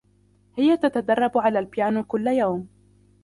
هي تتدرب على البيانو كل يوم.